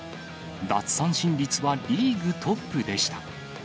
奪三振率はリーグトップでした。